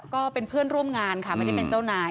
ก็เป็นเพื่อนร่วมงานค่ะไม่ได้เป็นเจ้านาย